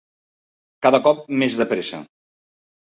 Cada cop més de pressa.